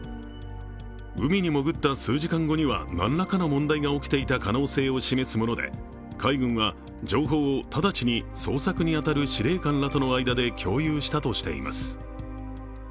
海に潜った数時間後には何らかの問題が起きていた可能性を示すもので、海軍は情報を直ちに捜索に当たる司令官らとの間で共有したとしています。